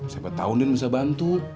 siapa tau ibu bisa bantu